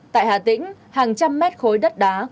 tại hà tĩnh hàng trăm mét khối đất đá cây cối bị sạt lở xuống mặt